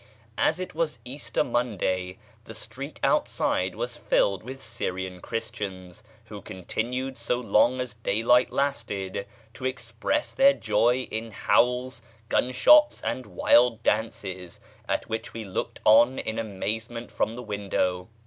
As it was Easter Monday the street outside was filled with Syrian Christians, who continued so long as daylight lasted to [page xxxiv] express their joy in howls, gun shots, and wild dances, at which we looked on in amazement from the window.